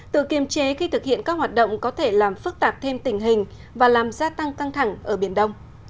tự kiềm chế khi thực hiện các hoạt động có thể làm phức tạp thêm tình hình và làm gia tăng căng thẳng ở biển đông